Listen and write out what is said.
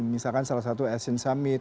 misalkan salah satu asian summit